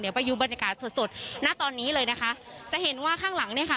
เดี๋ยวไปดูบรรยากาศสดสดณตอนนี้เลยนะคะจะเห็นว่าข้างหลังเนี่ยค่ะ